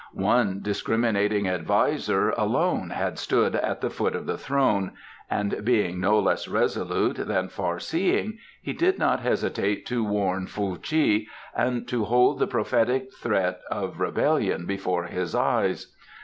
One discriminating adviser alone had stood at the foot of the throne, and being no less resolute than far seeing, he did not hesitate to warn Fuh chi and to hold the prophetic threat of rebellion before his eyes.